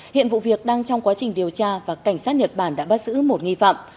hiện vụ việc đang trong quá trình điều tra và cảnh sát nhật bản đã bắt giữ một nghi phạm